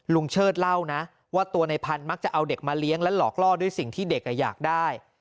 เชิดเล่านะว่าตัวในพันธุ์มักจะเอาเด็กมาเลี้ยงและหลอกล่อด้วยสิ่งที่เด็กอยากได้